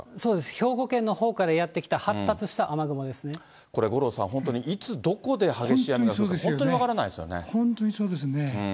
兵庫県のほうからこれ、五郎さん、本当にいつどこで激しい雨が降るか、本当に分からないですよね。